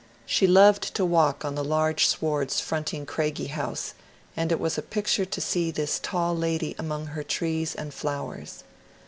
She loved to walk on the large swards fronting Craigie House, and it was a picture to see this tall lady among her trees and flowers.